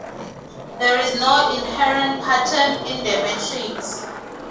There is no inherent pattern in the matrix.